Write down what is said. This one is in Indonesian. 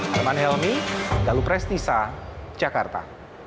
herman helmy dalu prestisa jakarta